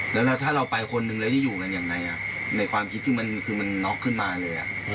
แล้วถ้าเราไปคนนึงแล้วจะอยู่กันยังไงในความคิดคือมันน็อกขึ้นมาเลย